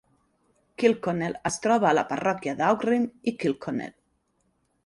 Kilconnel es troba a la parròquia d'Aughrim i Kilconnel.